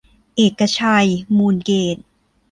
เอกชัย มูลเกษ